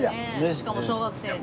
しかも小学生で。